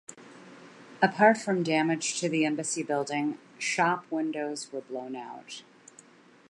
Apart from damage to the embassy building, shop windows were blown out.